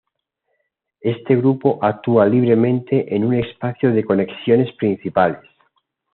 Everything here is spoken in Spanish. Este grupo actúa libremente en un espacio de conexiones principales.